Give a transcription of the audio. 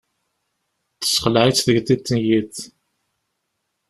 Tesexleε-itt tegḍiḍt n yiḍ.